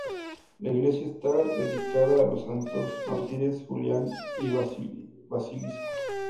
La iglesia está dedicada a los santos mártires Julián y Basilisa.